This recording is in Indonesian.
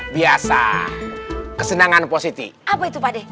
biasa kesenangan positif apa itu pade